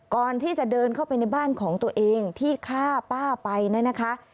ก่อนที่จะเดินเข้าไปในบ้านของตัวเองที่ฆ่าป้าไปนะคะ